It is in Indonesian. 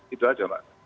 itu aja mbak